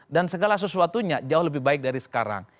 dan segala sesuatunya jauh lebih baik dari sekarang